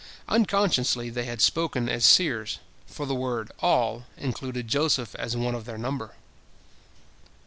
Unconsciously they had spoken as seers, for the word ALL included Joseph as one of their number.